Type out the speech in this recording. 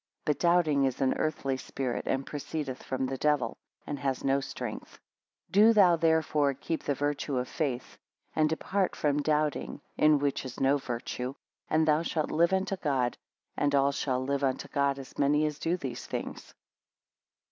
But doubting is an earthly spirit, and proceedeth from the Devil, and has no strength. 11 Do thou therefore keep the virtue of faith, and depart from doubting, in which is no virtue, and thou shalt live unto God. And all shall live unto God, as many as do these things.